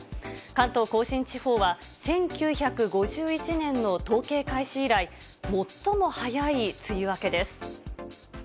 関東甲信地方は、１９５１年の統計開始以来、最も早い梅雨明けです。